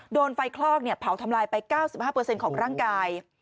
โดนไฟคลอกเผาทำลายไป๙๕ของร่างกาย